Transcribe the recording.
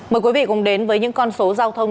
mời quý vị cùng đến với những con số giao thông